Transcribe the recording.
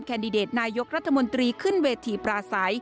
แดดิเดตนายกรัฐมนตรีขึ้นเวทีปราศัย